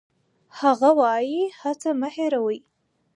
هغه وايي، هڅه مه هېروئ.